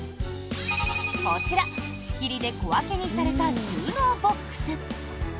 こちら、仕切りで小分けにされた収納ボックス。